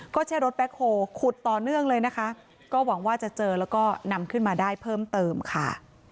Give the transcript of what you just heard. ก็ใช้รถแบ็คโฮลขุดต่อเนื่องเลยนะคะก็หวังว่าจะเจอแล้วก็นำขึ้นมาได้เพิ่มเติมค่ะ